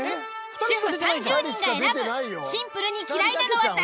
主婦３０人が選ぶシンプルに嫌いなのは誰？